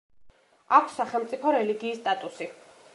აქვს სახელმწიფო რელიგიის სტატუსი.